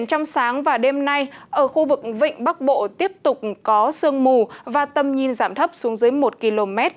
trong sáng và đêm nay ở khu vực vịnh bắc bộ tiếp tục có sương mù và tầm nhìn giảm thấp xuống dưới một km